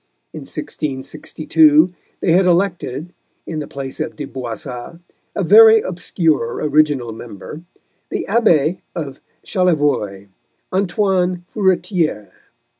In 1662 they had elected (in the place of De Boissat, a very obscure original member) the Abbé of Chalivoy, Antoine Furetière.